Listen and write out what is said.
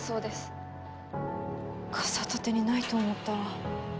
傘立てにないと思ったら。